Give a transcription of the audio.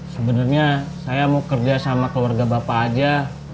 sebenarnya saya mau kerja sama keluarga bapak aja